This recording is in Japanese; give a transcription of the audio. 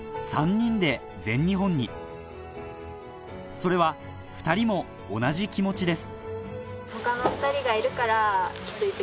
それは２人も同じ気持ちです